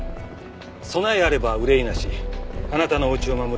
「備えあれば憂いなしあなたのおうちを守る」